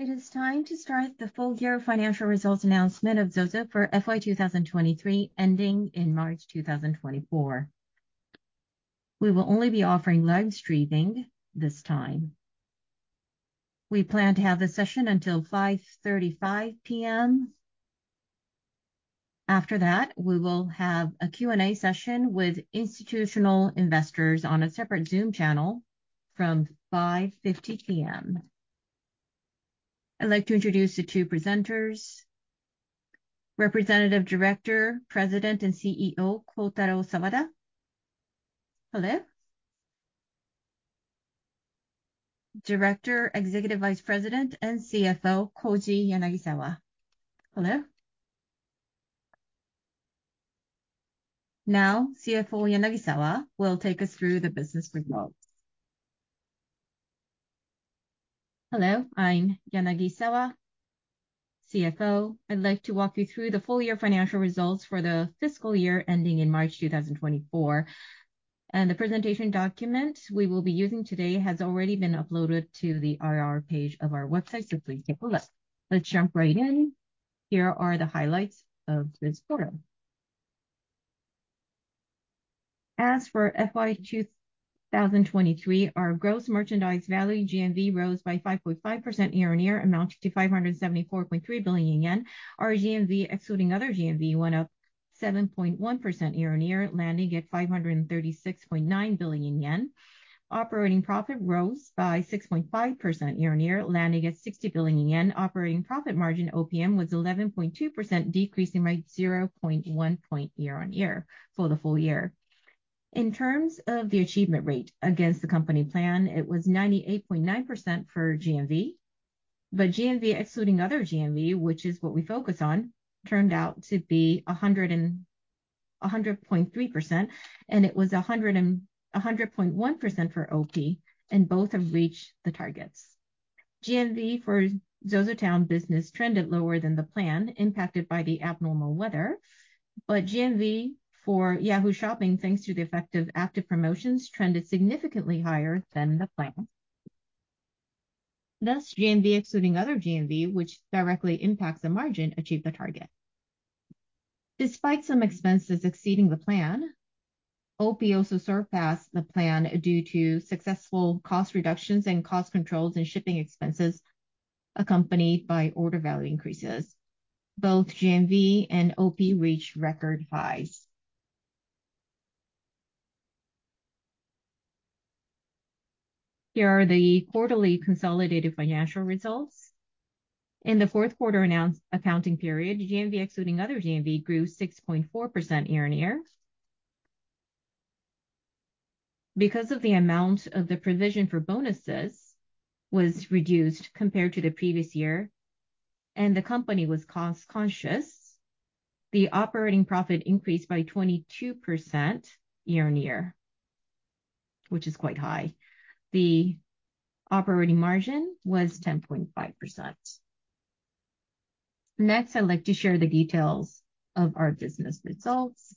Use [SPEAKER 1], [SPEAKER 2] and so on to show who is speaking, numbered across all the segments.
[SPEAKER 1] It is time to start the full-year financial results announcement of ZOZO for FY 2023, ending in March 2024. We will only be offering live streaming this time. We plan to have this session until 5:35 P.M. After that, we will have a Q&A session with institutional investors on a separate Zoom channel from 5:50 P.M. I'd like to introduce the two presenters: Representative Director, President, and CEO, Kotaro Sawada. Hello? Director, Executive Vice President, and CFO, Koji Yanagisawa. Hello? Now, CFO Yanagisawa will take us through the business results.
[SPEAKER 2] Hello, I'm Yanagisawa, CFO. I'd like to walk you through the full-year financial results for the fiscal year ending in March 2024. The presentation document we will be using today has already been uploaded to the IR page of our website, so please take a look. Let's jump right in. Here are the highlights of this quarter. As for FY 2023, our gross merchandise value, GMV, rose by 5.5% year-on-year, amounting to 574.3 billion yen. Our GMV, excluding other GMV, went up 7.1% year-on-year, landing at 536.9 billion yen. Operating profit rose by 6.5% year-on-year, landing at 60 billion yen. Operating profit margin, OPM, was 11.2%, decreasing by 0.1 point year-on-year for the full year. In terms of the achievement rate against the company plan, it was 98.9% for GMV, but GMV, excluding other GMV, which is what we focus on, turned out to be 100.3%, and it was 100.1% for OP, and both have reached the targets. GMV for ZOZOTOWN Business trended lower than the plan, impacted by the abnormal weather, but GMV for Yahoo! Shopping, thanks to the effect of active promotions, trended significantly higher than the plan. Thus, GMV, excluding other GMV, which directly impacts the margin, achieved the target. Despite some expenses exceeding the plan, OP also surpassed the plan due to successful cost reductions and cost controls in shipping expenses accompanied by order value increases. Both GMV and OP reached record highs. Here are the quarterly consolidated financial results. In the fourth quarter accounting period, GMV, excluding other GMV, grew 6.4% year-over-year. Because of the amount of the provision for bonuses was reduced compared to the previous year, and the company was cost-conscious, the operating profit increased by 22% year-over-year, which is quite high. The operating margin was 10.5%. Next, I'd like to share the details of our business results.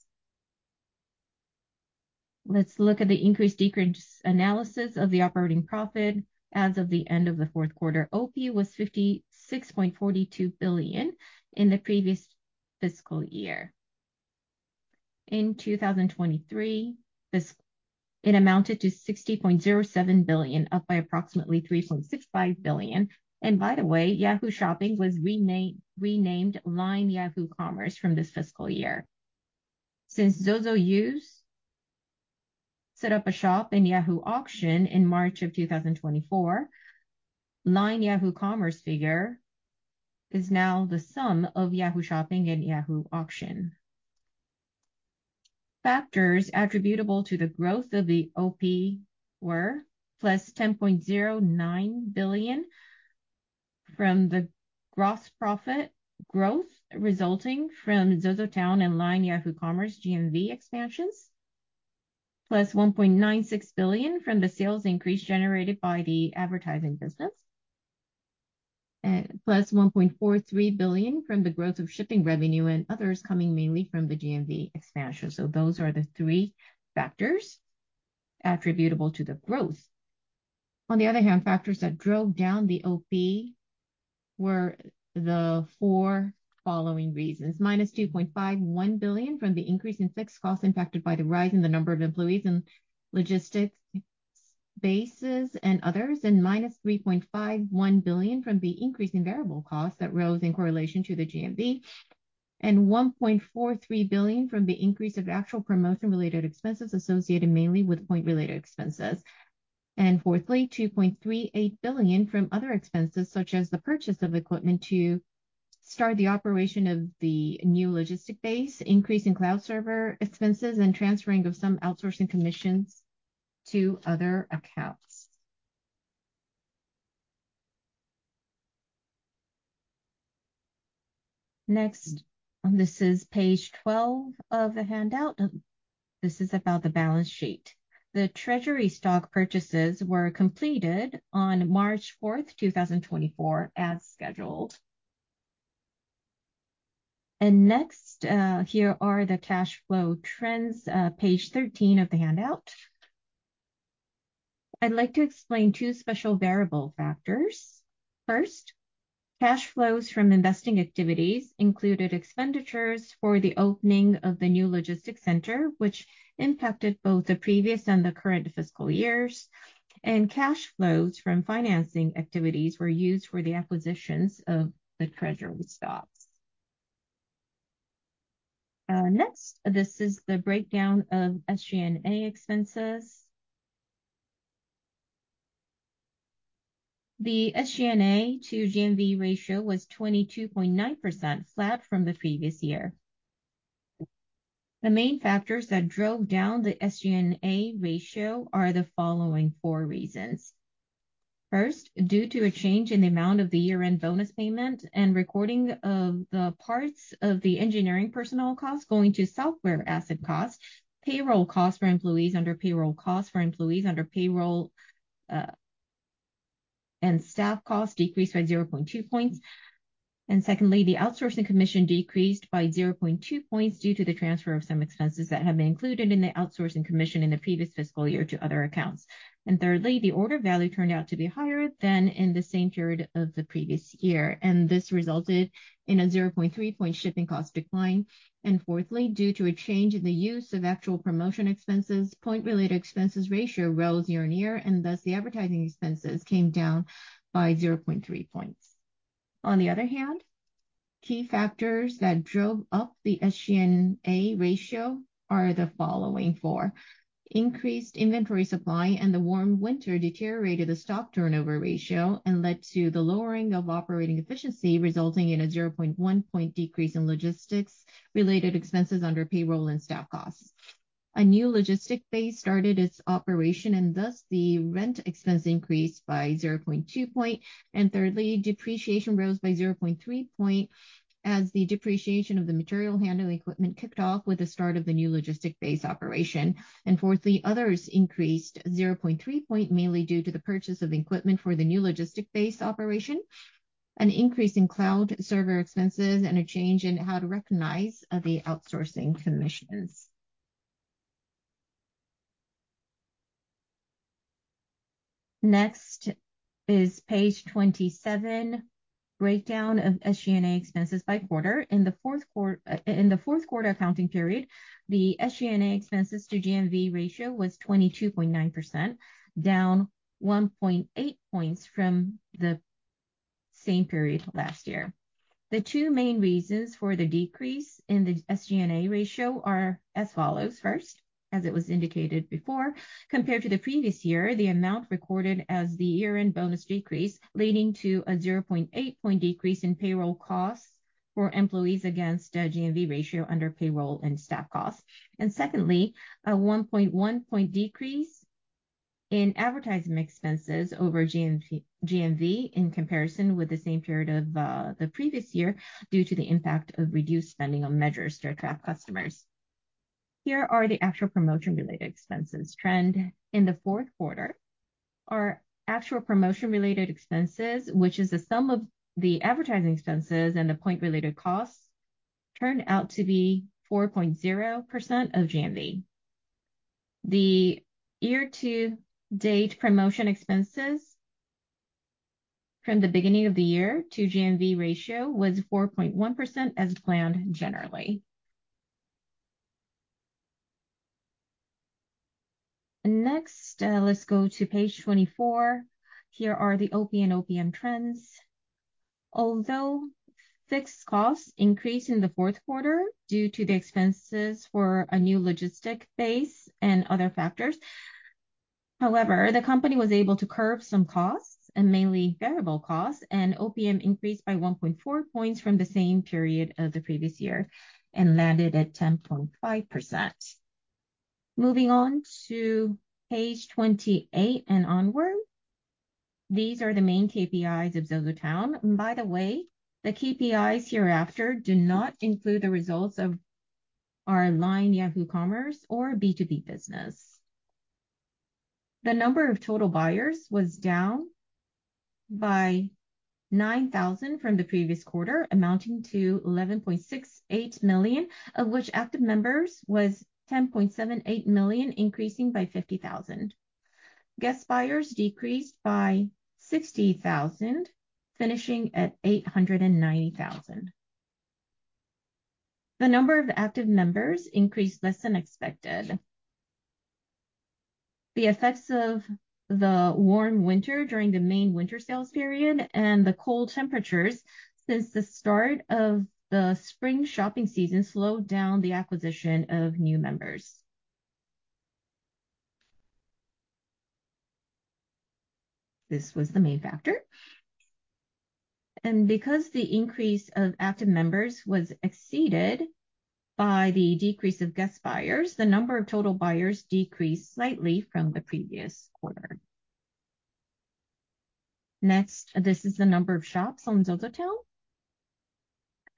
[SPEAKER 2] Let's look at the increase-decrease analysis of the operating profit as of the end of the fourth quarter. OP was 56.42 billion in the previous fiscal year. In 2023, it amounted to 60.07 billion, up by approximately 3.65 billion. And by the way, Yahoo! Shopping was renamed LINE Yahoo Commerce from this fiscal year. Since ZOZOUSED set up a shop in Yahoo! Auctions in March of 2024, LINE Yahoo Commerce figure is now the sum of Yahoo! Shopping and Yahoo! Auctions. Factors attributable to the growth of the OP were: plus 10.09 billion from the gross profit growth resulting from ZOZOTOWN and LINE Yahoo Commerce GMV expansions, plus 1.96 billion from the sales increase generated by the advertising business, and plus 1.43 billion from the growth of shipping revenue and others coming mainly from the GMV expansion. So those are the three factors attributable to the growth. On the other hand, factors that drove down the OP were the four following reasons: -2.51 billion from the increase in fixed costs impacted by the rise in the number of employees in logistics spaces and others, and -3.51 billion from the increase in variable costs that rose in correlation to the GMV, and 1.43 billion from the increase of actual promotion-related expenses associated mainly with point-related expenses. And fourthly, 2.38 billion from other expenses such as the purchase of equipment to start the operation of the new logistic base, increase in cloud server expenses, and transferring of some outsourcing commissions to other accounts. Next, this is page 12 of the handout. This is about the balance sheet. The treasury stock purchases were completed on March 4th, 2024, as scheduled. Next, here are the cash flow trends, page 13 of the handout. I'd like to explain two special variable factors. First, cash flows from investing activities included expenditures for the opening of the new logistics center, which impacted both the previous and the current fiscal years. Cash flows from financing activities were used for the acquisitions of the treasury stock. Next, this is the breakdown of SG&A expenses. The SG&A to GMV ratio was 22.9%, flat from the previous year. The main factors that drove down the SG&A ratio are the following four reasons. First, due to a change in the amount of the year-end bonus payment and recording of the parts of the engineering personnel costs going to software asset costs, payroll costs for employees under payroll and staff costs decreased by 0.2 points. Secondly, the outsourcing commission decreased by 0.2 points due to the transfer of some expenses that have been included in the outsourcing commission in the previous fiscal year to other accounts. Thirdly, the order value turned out to be higher than in the same period of the previous year, and this resulted in a 0.3 point shipping cost decline. Fourthly, due to a change in the use of actual promotion expenses, point-related expenses ratio rose year-on-year, and thus the advertising expenses came down by 0.3 points. On the other hand, key factors that drove up the SG&A ratio are the following four: increased inventory supply and the warm winter deteriorated the stock turnover ratio and led to the lowering of operating efficiency, resulting in a 0.1 point decrease in logistics-related expenses under payroll and staff costs. A new logistics base started its operation, and thus the rent expense increased by 0.2 point. And thirdly, depreciation rose by 0.3 point as the depreciation of the material handling equipment kicked off with the start of the new logistics base operation. And fourthly, others increased 0.3 point mainly due to the purchase of equipment for the new logistics base operation, an increase in cloud server expenses, and a change in how to recognize the outsourcing commissions. Next is page 27, breakdown of SG&A expenses by quarter. In the fourth quarter accounting period, the SG&A expenses to GMV ratio was 22.9%, down 1.8 points from the same period last year. The two main reasons for the decrease in the SG&A ratio are as follows. First, as it was indicated before, compared to the previous year, the amount recorded as the year-end bonus decrease, leading to a 0.8 point decrease in payroll costs for employees against the GMV ratio under payroll and staff costs. And secondly, a 1.1 point decrease in advertising expenses over GMV in comparison with the same period of the previous year due to the impact of reduced spending on measures to attract customers. Here are the actual promotion-related expenses trend. In the fourth quarter, our actual promotion-related expenses, which is the sum of the advertising expenses and the point-related costs, turned out to be 4.0% of GMV. The year-to-date promotion expenses from the beginning of the year to GMV ratio was 4.1% as planned generally. Next, let's go to page 24. Here are the OP and OPM trends. Although fixed costs increased in the fourth quarter due to the expenses for a new logistics base and other factors, however, the company was able to curb some costs, and mainly variable costs, and OPM increased by 1.4 points from the same period of the previous year and landed at 10.5%. Moving on to page 28 and onward, these are the main KPIs of ZOZOTOWN. By the way, the KPIs hereafter do not include the results of our LINE Yahoo Commerce or B2B business. The number of total buyers was down by 9,000 from the previous quarter, amounting to 11.68 million, of which active members were 10.78 million, increasing by 50,000. Guest buyers decreased by 60,000, finishing at 890,000. The number of active members increased less than expected. The effects of the warm winter during the main winter sales period and the cold temperatures since the start of the spring shopping season slowed down the acquisition of new members. This was the main factor. And because the increase of active members was exceeded by the decrease of guest buyers, the number of total buyers decreased slightly from the previous quarter. Next, this is the number of shops on ZOZOTOWN.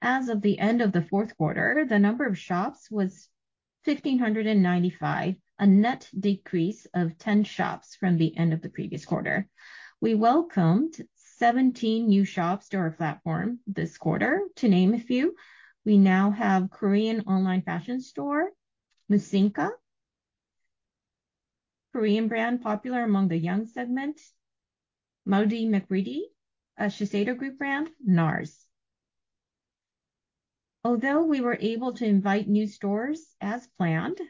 [SPEAKER 2] As of the end of the fourth quarter, the number of shops was 1,595, a net decrease of 10 shops from the end of the previous quarter. We welcomed 17 new shops to our platform this quarter, to name a few. We now have Korean online fashion store, MUSINSA, Korean brand popular among the young segment, Mardi Mercredi, Shiseido group brand, NARS. Although we were able to invite new stores as planned,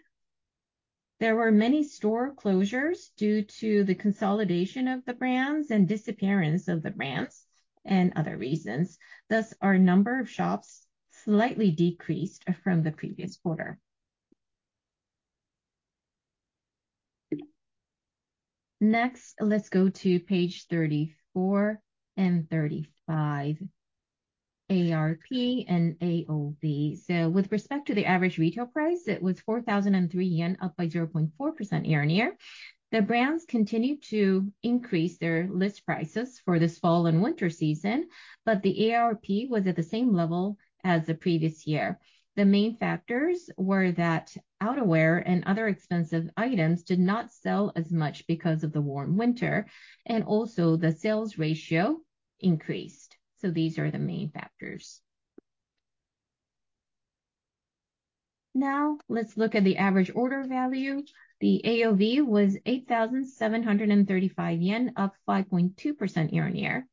[SPEAKER 2] there were many store closures due to the consolidation of the brands and disappearance of the brands and other reasons. Thus, our number of shops slightly decreased from the previous quarter. Next, let's go to page 34 and 35, ARP and AOV. So with respect to the average retail price, it was 4,003 yen, up by 0.4% year-on-year. The brands continued to increase their list prices for this fall and winter season, but the ARP was at the same level as the previous year. The main factors were that outerwear and other expensive items did not sell as much because of the warm winter, and also the sales ratio increased. So these are the main factors. Now, let's look at the average order value. The AOV was 8,735 yen, up 5.2% year-on-year.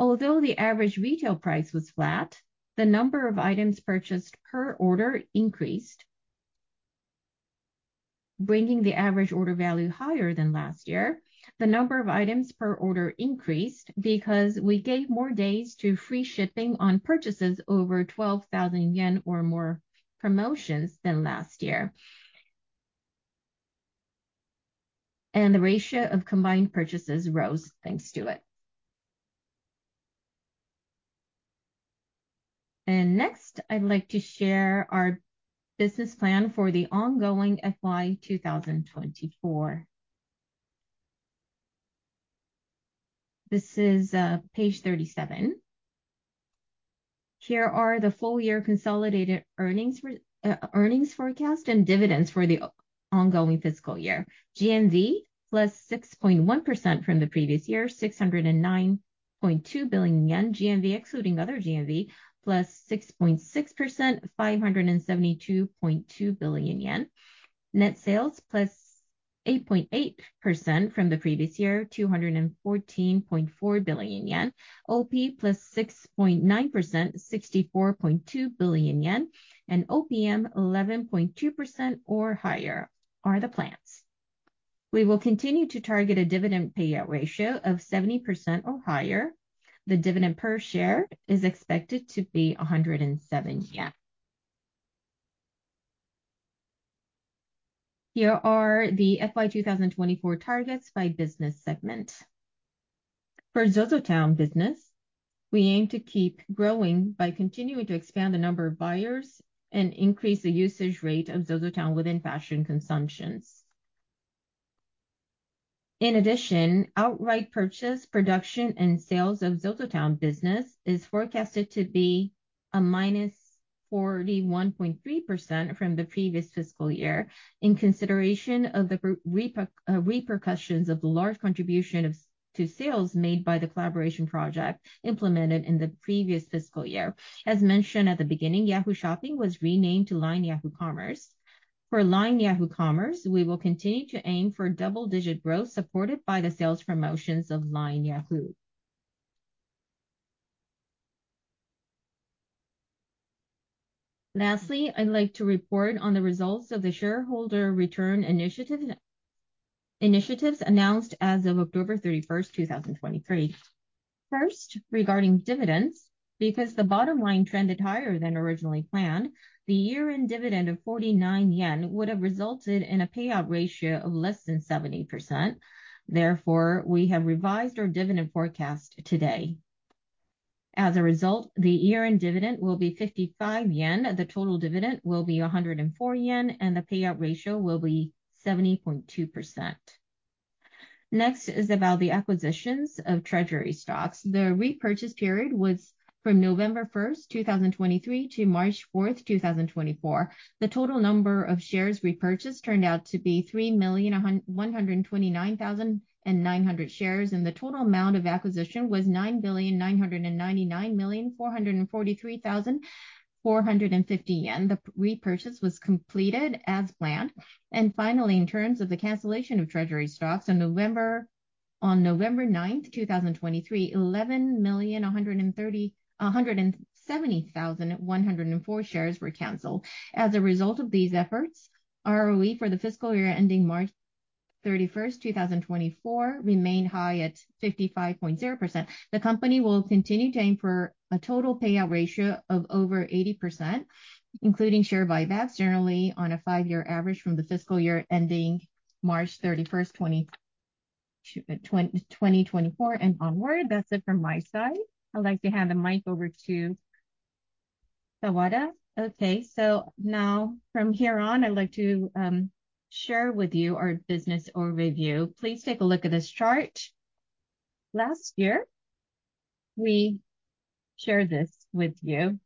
[SPEAKER 2] Although the average retail price was flat, the number of items purchased per order increased, bringing the average order value higher than last year. The number of items per order increased because we gave more days to free shipping on purchases over 12,000 yen or more promotions than last year. And the ratio of combined purchases rose thanks to it. And next, I'd like to share our business plan for the ongoing FY 2024. This is page 37. Here are the full-year consolidated earnings forecast and dividends for the ongoing fiscal year. GMV +6.1% from the previous year, 609.2 billion yen, GMV excluding other GMV, +6.6%, 572.2 billion yen. Net sales +8.8% from the previous year, 214.4 billion yen. OP +6.9%, 64.2 billion yen. And OPM 11.2% or higher are the plans. We will continue to target a dividend payout ratio of 70% or higher. The dividend per share is expected to be 107 yen. Here are the FY 2024 targets by business segment. For ZOZOTOWN business, we aim to keep growing by continuing to expand the number of buyers and increase the usage rate of ZOZOTOWN within fashion consumptions. In addition, outright purchase, production, and sales of ZOZOTOWN business is forecasted to be -41.3% from the previous fiscal year in consideration of the repercussions of the large contribution to sales made by the collaboration project implemented in the previous fiscal year. As mentioned at the beginning, Yahoo! Shopping was renamed to LINE Yahoo Commerce. For LINE Yahoo Commerce, we will continue to aim for double-digit growth supported by the sales promotions of LINE Yahoo. Lastly, I'd like to report on the results of the shareholder return initiatives announced as of October 31st, 2023. First, regarding dividends, because the bottom line trended higher than originally planned, the year-end dividend of 49 yen would have resulted in a payout ratio of less than 70%. Therefore, we have revised our dividend forecast today. As a result, the year-end dividend will be 55 yen, the total dividend will be 104 yen, and the payout ratio will be 70.2%. Next is about the acquisitions of Treasury stocks. The repurchase period was from November 1st, 2023, to March 4th, 2024. The total number of shares repurchased turned out to be 3,129,900 shares, and the total amount of acquisition was 9,999,443,450 yen. The repurchase was completed as planned. Finally, in terms of the cancellation of Treasury stocks, on November 9th, 2023, 11,170,104 shares were canceled. As a result of these efforts, ROE for the fiscal year ending March 31st, 2024, remained high at 55.0%. The company will continue to aim for a total payout ratio of over 80%, including share buybacks, generally on a five-year average from the fiscal year ending March 31st, 2024, and onward. That's it from my side. I'd like to hand the mic over to Sawada.
[SPEAKER 3] Okay, so now from here on, I'd like to share with you our business overview. Please take a look at this chart. Last year, we shared this with you.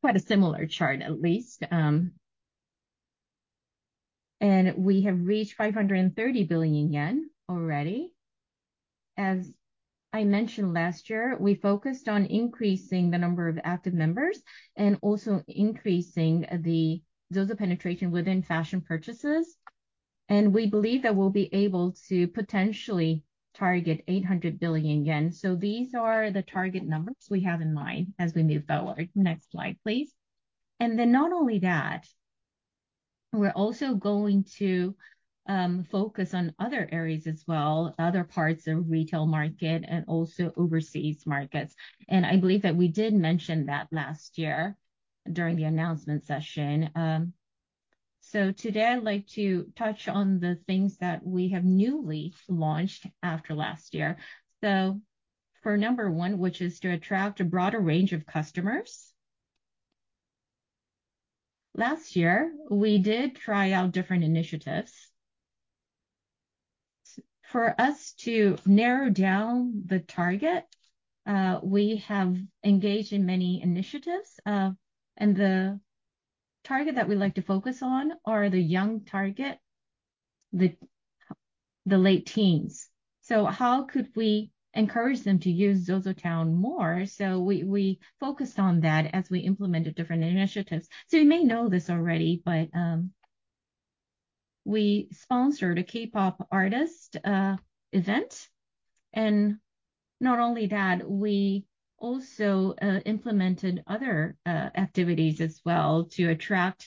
[SPEAKER 3] Quite a similar chart, at least. We have reached 530 billion yen already. As I mentioned last year, we focused on increasing the number of active members and also increasing the ZOZO penetration within fashion purchases. We believe that we'll be able to potentially target 800 billion yen. So these are the target numbers we have in mind as we move forward. Next slide, please. Then not only that, we're also going to focus on other areas as well, other parts of the retail market and also overseas markets. I believe that we did mention that last year during the announcement session. Today, I'd like to touch on the things that we have newly launched after last year. For number one, which is to attract a broader range of customers. Last year, we did try out different initiatives. For us to narrow down the target, we have engaged in many initiatives, and the target that we like to focus on are the young target, the late teens. How could we encourage them to use ZOZOTOWN more? We focused on that as we implemented different initiatives. You may know this already, but we sponsored a K-pop artist event. And not only that, we also implemented other activities as well to attract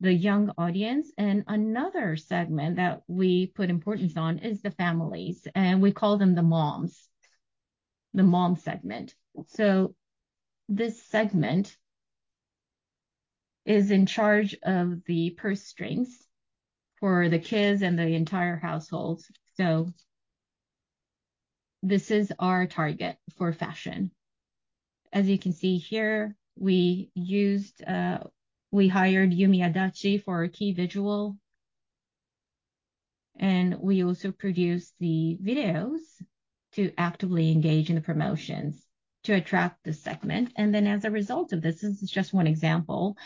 [SPEAKER 3] the young audience. Another segment that we put importance on is the families, and we call them the moms, the mom segment. So this segment is in charge of the purse strings for the kids and the entire household. So this is our target for fashion. As you can see here, we hired Yumi Adachi for a key visual. We also produced the videos to actively engage in the promotions to attract the segment. As a result of this, this is just one example.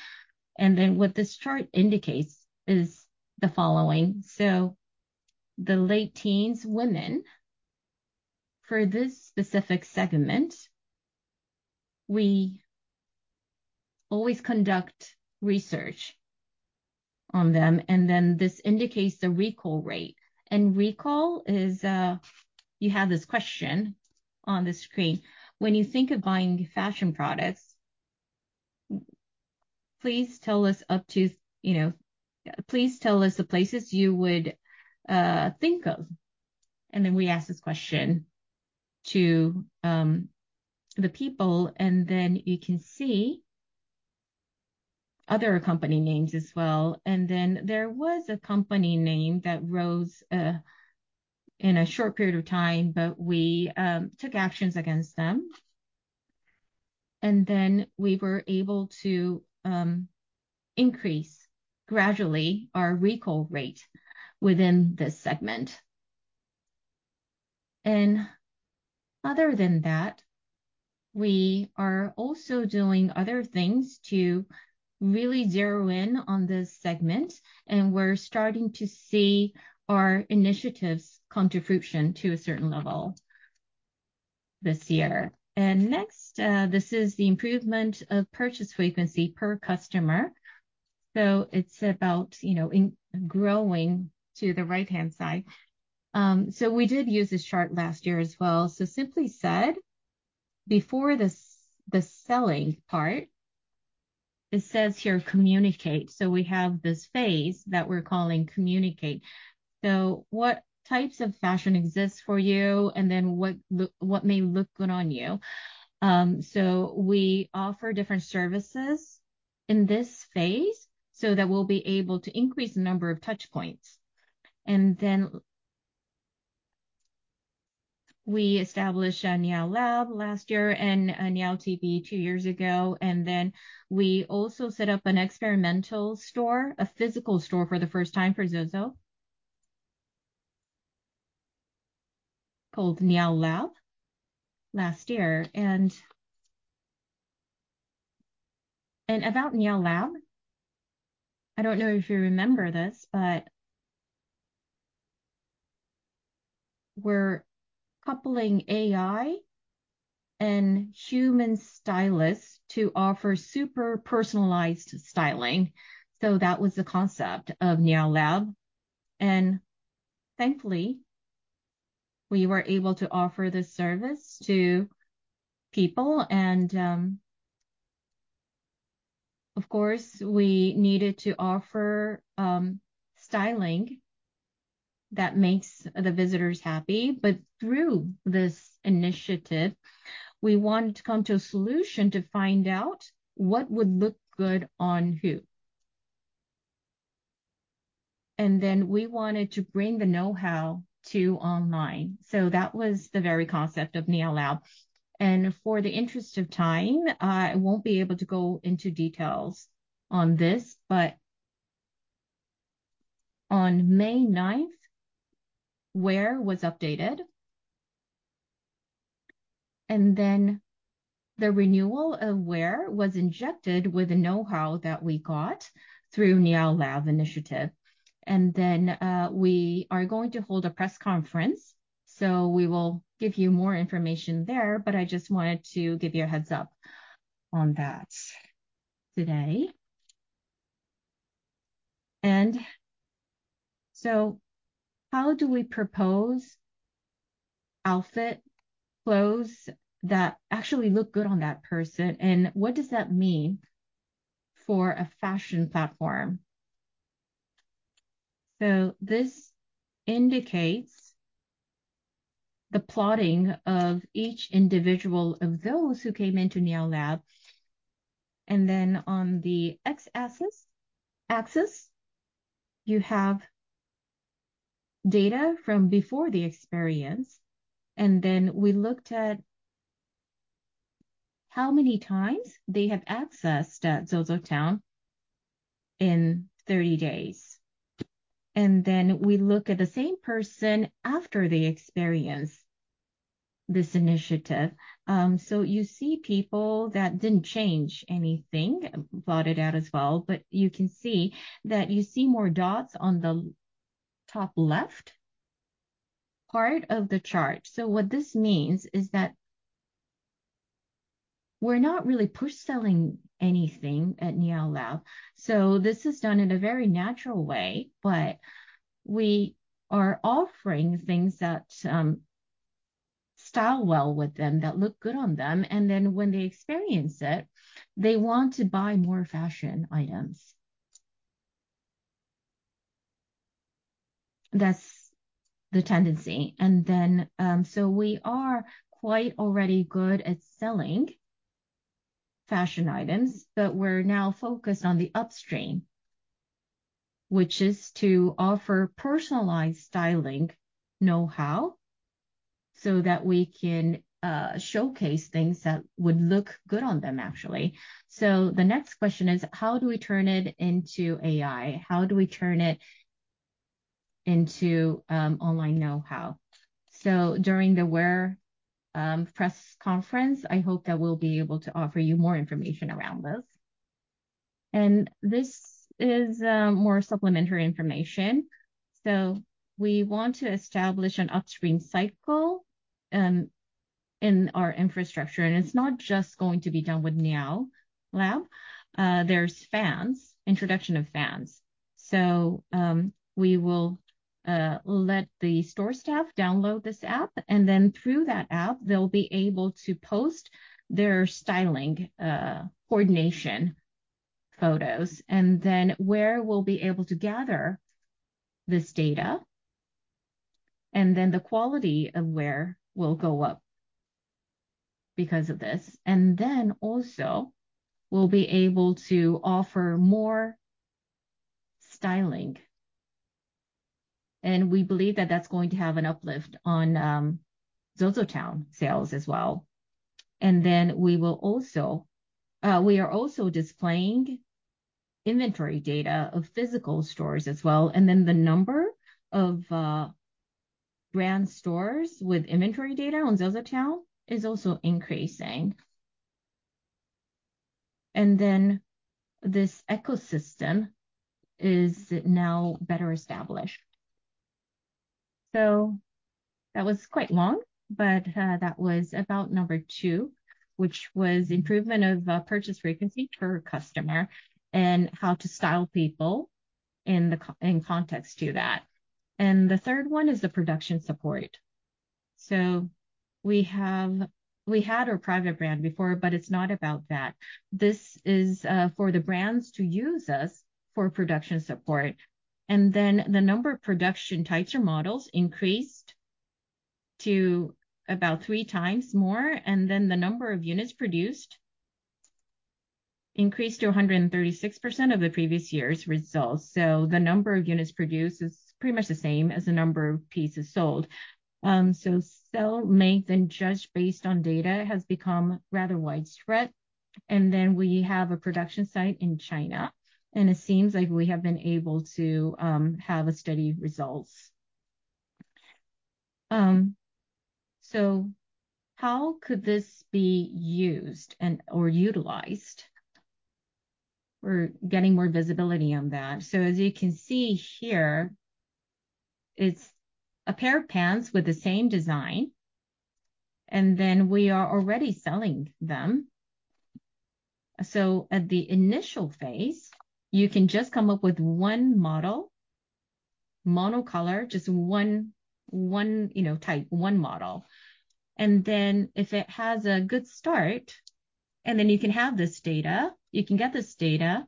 [SPEAKER 3] What this chart indicates is the following. So the late teens women, for this specific segment, we always conduct research on them. This indicates the recall rate. Recall is you have this question on the screen. When you think of buying fashion products, please tell us the places you would think of. We ask this question to the people, and then you can see other company names as well. There was a company name that rose in a short period of time, but we took actions against them. We were able to increase gradually our recall rate within this segment. Other than that, we are also doing other things to really zero in on this segment, and we're starting to see our initiatives come to fruition to a certain level this year. Next, this is the improvement of purchase frequency per customer. It's about growing to the right-hand side. We did use this chart last year as well. So simply said, before the selling part, it says here, "Communicate." So we have this phase that we're calling Communicate. So what types of fashion exist for you, and then what may look good on you. So we offer different services in this phase so that we'll be able to increase the number of touchpoints. And then we established niaulab last year and niau TV two years ago. And then we also set up an experimental store, a physical store for the first time for ZOZO called niaulab last year. And about niaulab, I don't know if you remember this, but we're coupling AI and human stylists to offer super-personalized styling. So that was the concept of niaulab. And thankfully, we were able to offer this service to people. And of course, we needed to offer styling that makes the visitors happy. But through this initiative, we wanted to come to a solution to find out what would look good on who. And then we wanted to bring the know-how to online. So that was the very concept of niaulab. And for the interest of time, I won't be able to go into details on this, but on May 9th, WEAR was updated. And then the renewal of WEAR was injected with the know-how that we got through niaulab initiative. And then we are going to hold a press conference. So we will give you more information there, but I just wanted to give you a heads-up on that today. And so how do we propose outfit clothes that actually look good on that person? And what does that mean for a fashion platform? So this indicates the plotting of each individual of those who came into niaulab. On the x-axis, you have data from before the experience. We looked at how many times they have accessed ZOZOTOWN in 30 days. We look at the same person after they experienced this initiative. You see people that didn't change anything plotted out as well, but you can see that you see more dots on the top left part of the chart. What this means is that we're not really push-selling anything at niaulab. This is done in a very natural way, but we are offering things that style well with them, that look good on them. When they experience it, they want to buy more fashion items. That's the tendency. We are quite already good at selling fashion items, but we're now focused on the upstream, which is to offer personalized styling know-how so that we can showcase things that would look good on them, actually. So the next question is, how do we turn it into AI? How do we turn it into online know-how? So during the WEAR press conference, I hope that we'll be able to offer you more information around this. And this is more supplementary information. So we want to establish an upstream cycle in our infrastructure. And it's not just going to be done with niaulab. There's FAANS, introduction of FAANS. So we will let the store staff download this app, and then through that app, they'll be able to post their styling coordination photos. And then WEAR will be able to gather this data, and then the quality of WEAR will go up because of this. And then also we'll be able to offer more styling. And we believe that that's going to have an uplift on ZOZOTOWN sales as well. And then we are also displaying inventory data of physical stores as well. And then the number of brand stores with inventory data on ZOZOTOWN is also increasing. And then this ecosystem is now better established. So that was quite long, but that was about number two, which was improvement of purchase frequency per customer and how to style people in context to that. And the third one is the production support. So we had our private brand before, but it's not about that. This is for the brands to use us for production support. The number of production types or models increased to about three times more. The number of units produced increased to 136% of the previous year's results. So the number of units produced is pretty much the same as the number of pieces sold. Sell, make, then judge based on data has become rather widespread. We have a production site in China, and it seems like we have been able to have steady results. So how could this be used or utilized? We're getting more visibility on that. As you can see here, it's a pair of pants with the same design, and then we are already selling them. At the initial phase, you can just come up with one model, monocolor, just one type, one model. If it has a good start, then you can have this data, you can get this data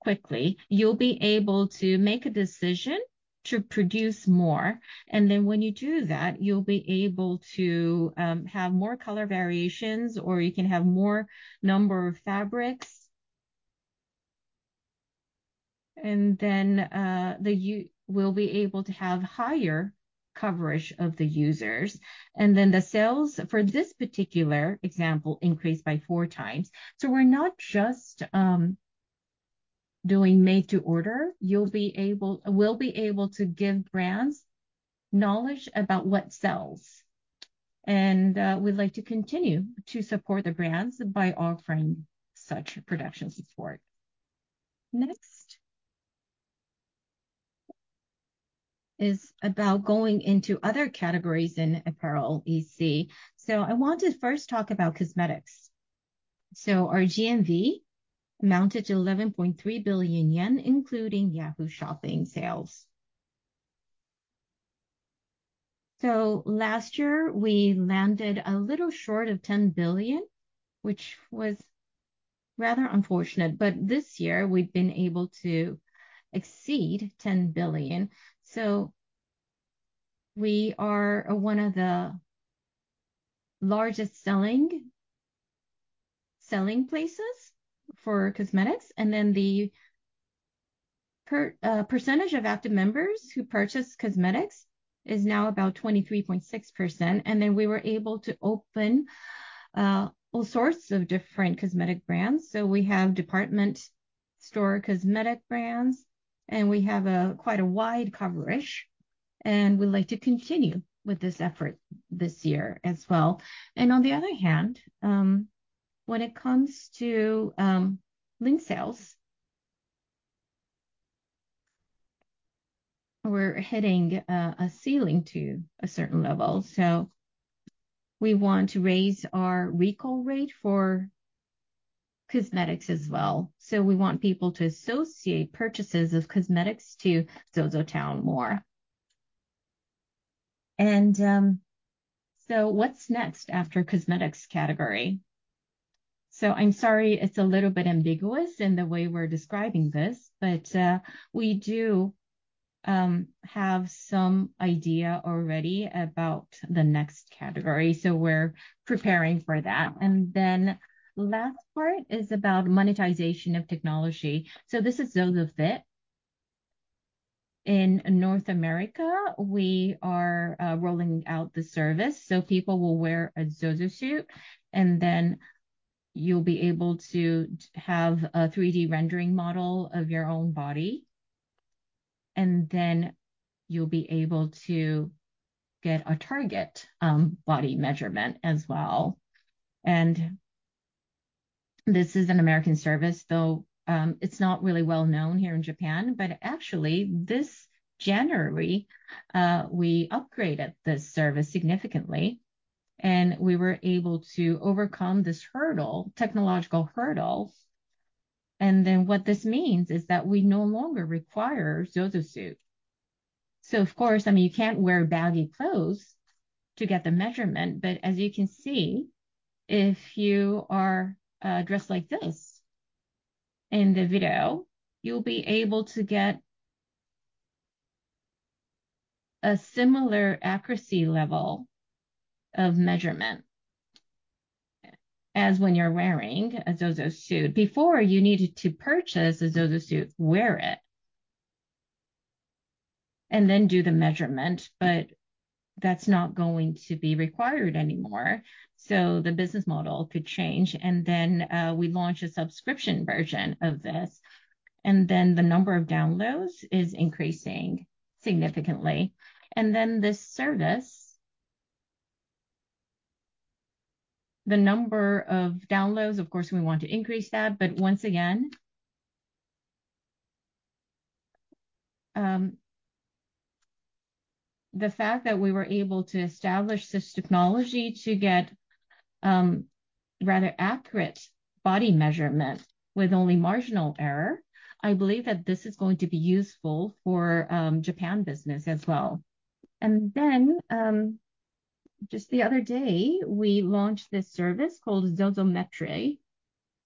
[SPEAKER 3] quickly, you'll be able to make a decision to produce more. Then when you do that, you'll be able to have more color variations, or you can have more number of fabrics. Then you will be able to have higher coverage of the users. Then the sales for this particular example increased by four times. So we're not just doing made-to-order. We'll be able to give brands knowledge about what sells. We'd like to continue to support the brands by offering such production support. Next is about going into other categories in apparel, EC. I want to first talk about cosmetics. Our GMV amounted to 11.3 billion yen, including Yahoo! Shopping sales. So last year, we landed a little short of 10 billion, which was rather unfortunate. But this year, we've been able to exceed 10 billion. So we are one of the largest selling places for cosmetics. And then the percentage of active members who purchase cosmetics is now about 23.6%. And then we were able to open all sorts of different cosmetic brands. So we have department store cosmetic brands, and we have quite a wide coverage. And we'd like to continue with this effort this year as well. And on the other hand, when it comes to link sales, we're hitting a ceiling to a certain level. So we want to raise our recall rate for cosmetics as well. So we want people to associate purchases of cosmetics to ZOZOTOWN more. And so what's next after cosmetics category? So I'm sorry it's a little bit ambiguous in the way we're describing this, but we do have some idea already about the next category. So we're preparing for that. And then the last part is about monetization of technology. So this is ZOZOFIT. In North America, we are rolling out the service. So people will wear a ZOZOSUIT, and then you'll be able to have a 3D rendering model of your own body. And then you'll be able to get a target body measurement as well. And this is an American service, though it's not really well-known here in Japan. But actually, this January, we upgraded this service significantly, and we were able to overcome this technological hurdle. And then what this means is that we no longer require ZOZOSUITs. So of course, I mean, you can't wear baggy clothes to get the measurement. But as you can see, if you are dressed like this in the video, you'll be able to get a similar accuracy level of measurement as when you're wearing a ZOZOSUIT. Before, you needed to purchase a ZOZOSUIT, wear it, and then do the measurement. But that's not going to be required anymore. So the business model could change. We launched a subscription version of this. The number of downloads is increasing significantly. This service, the number of downloads, of course, we want to increase that. But once again, the fact that we were able to establish this technology to get rather accurate body measurement with only marginal error, I believe that this is going to be useful for Japan business as well. Just the other day, we launched this service called ZOZOMETRY.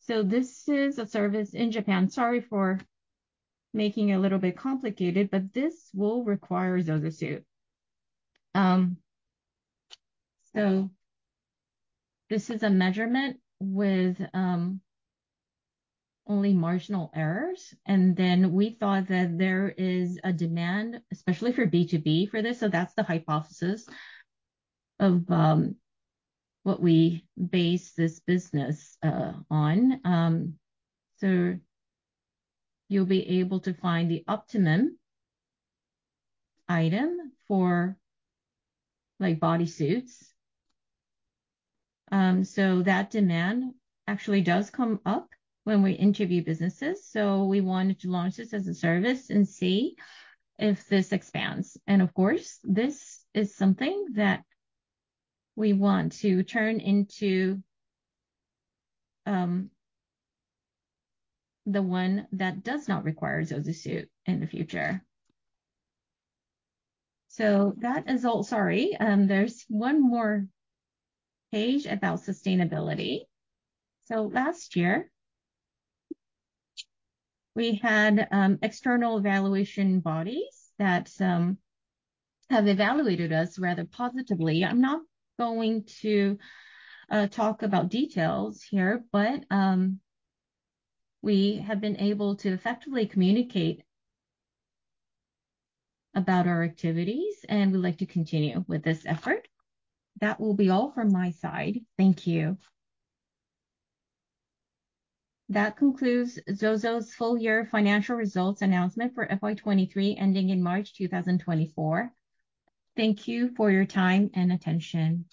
[SPEAKER 3] So this is a service in Japan. Sorry for making it a little bit complicated, but this will require ZOZOSUITs. So this is a measurement with only marginal errors. Then we thought that there is a demand, especially for B2B, for this. So that's the hypothesis of what we base this business on. So you'll be able to find the optimum item for bodysuits. So that demand actually does come up when we interview businesses. So we wanted to launch this as a service and see if this expands. And of course, this is something that we want to turn into the one that does not require ZOZOSUIT in the future. So that is all. Sorry. There's one more page about sustainability. So last year, we had external evaluation bodies that have evaluated us rather positively. I'm not going to talk about details here, but we have been able to effectively communicate about our activities, and we'd like to continue with this effort. That will be all from my side. Thank you.
[SPEAKER 1] That concludes ZOZO's full-year financial results announcement for FY23, ending in March 2024. Thank you for your time and attention.